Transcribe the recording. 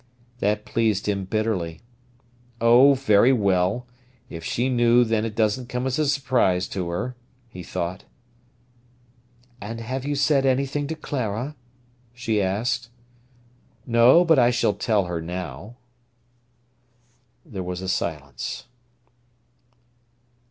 That pleased him bitterly. "Oh, very well! If she knew then it doesn't come as a surprise to her," he thought. "And have you said anything to Clara?" she asked. "No; but I shall tell her now." There was a silence.